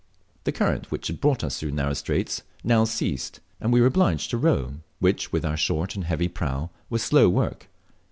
The current which had brought us through the narrow strait now ceased, and we were obliged to row, which with our short and heavy prau was slow work.